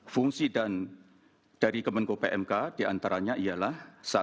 fungsi dan dari kemenko pmk diantaranya ialah